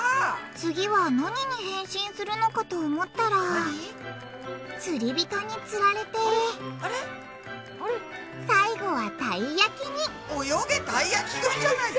次は何に変身するのかと思ったら釣り人に釣られて最後はたいやきにおよげたいやきくんじゃないか！